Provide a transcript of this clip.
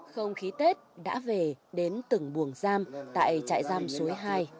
không khí tết đã về đến từng buồng giam tại trại giam suối hai